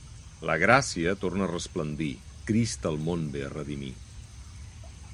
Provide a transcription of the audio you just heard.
La gràcia torna a resplendir; Crist el món ve a redimir.